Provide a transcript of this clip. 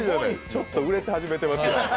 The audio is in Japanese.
ちょっと売れ始めてますね